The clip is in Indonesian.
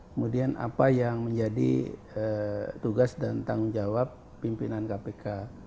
kemudian apa yang menjadi tugas dan tanggung jawab pimpinan kpk